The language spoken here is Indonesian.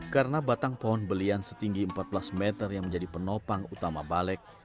karena batang pohon belian setinggi empat belas meter yang menjadi penopang utama balik